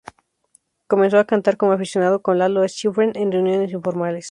Comenzó a cantar como aficionado con Lalo Schifrin en reuniones informales.